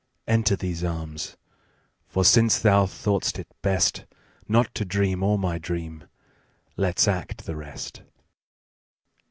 Enter these arms, for since thou thought'st it bestNot to dream all my dream, let's act the rest.